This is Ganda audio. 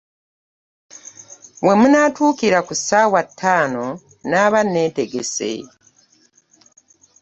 We munaatuukira ku ssaawa ttaano naaba neetegese.